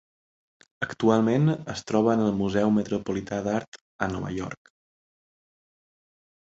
Actualment es troba en el Museu Metropolità d'Art a Nova York.